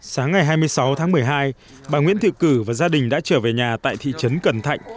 sáng ngày hai mươi sáu tháng một mươi hai bà nguyễn thị cử và gia đình đã trở về nhà tại thị trấn cần thạnh